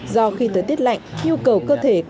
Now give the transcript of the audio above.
do khi tới tiết lạnh nhu cầu cơ thể